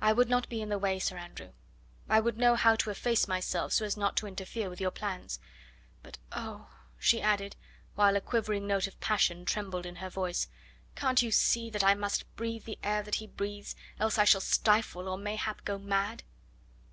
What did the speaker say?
"I would not be in the way, Sir Andrew; I would know how to efface myself so as not to interfere with your plans. But, oh!" she added, while a quivering note of passion trembled in her voice, "can't you see that I must breathe the air that he breathes else I shall stifle or mayhap go mad?"